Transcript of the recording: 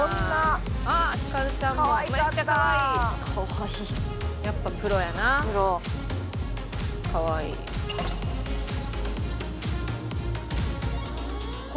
「あっひかるちゃんもめっちゃかわいい」「かわいい」「やっぱプロやな」「かわいい」「すごいなあ。